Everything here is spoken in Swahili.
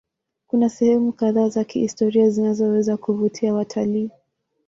Kuna sehemu kadhaa za kihistoria zinazoweza kuvutia watalii.